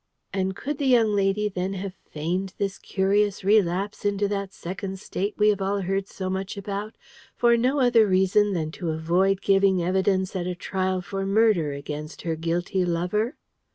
And could the young lady then have feigned this curious relapse into that Second State we had all heard so much about, for no other reason than to avoid giving evidence at a trial for murder against her guilty lover?